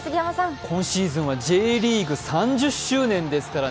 今シーズンはＪリーグ３０周年ですからね。